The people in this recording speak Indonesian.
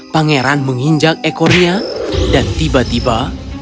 pangeran menginjak ekornya dan tiba tiba